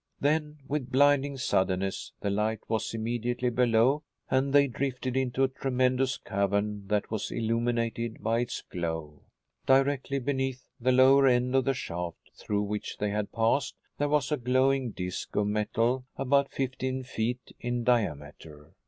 Then, with blinding suddenness, the light was immediately below and they drifted into a tremendous cavern that was illuminated by its glow. Directly beneath the lower end of the shaft through which they had passed, there was a glowing disc of metal about fifteen feet in diameter.